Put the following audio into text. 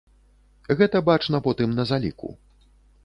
Гэта бачна потым на заліку.